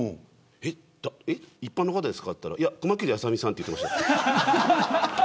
えっ、一般の方ですかと言ったら熊切あさ美さんと言ってました。